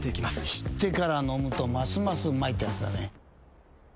知ってから飲むとますますうまいってやつだね。